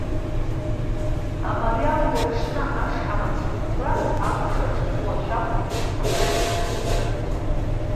Амариал уи аҽны ашҳам ацынхәрас ахәша аҿыҵуашәа акәын ишыҟаз, ԥҳәысҳәара ицон.